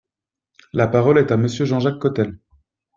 La parole est à Monsieur Jean-Jacques Cottel.